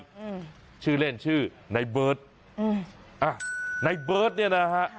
อืมชื่อเล่นชื่อในเบิร์ตอืมอ่ะในเบิร์ตเนี้ยนะฮะ